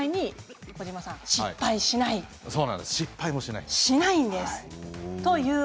失敗しないんです。